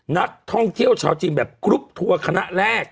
นักท่องเที่ยวชาวจีนแบบกรุ๊ปทัวร์คณะแรก